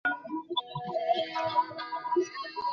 তিন্নি জবাব না-দিয়ে উঠে দাঁড়াল।